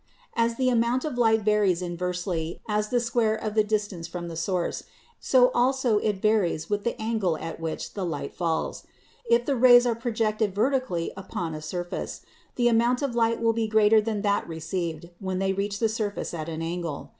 As the amount of light varies inversely as the square of the distance from the source, so it also varies with the angle at which the light falls. If the rays are projected vertically upon a surface, the amount of light will be greater than that received when they reach the surface at an angle.